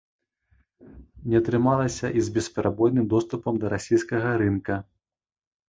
Не атрымалася і з бесперабойным доступам да расійскага рынка.